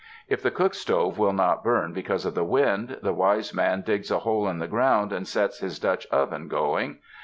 If the cook stove will not burn because of the wind, the wise man digs a hole in the ground, and sets his Dutch oven going.